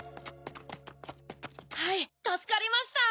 はいたすかりました。